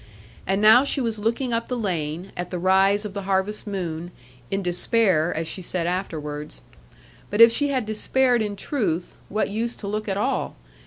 And now she was looking up the lane, at the rise of the harvest moon, in despair, as she said afterwards. But if she had despaired in truth, what use to look at all?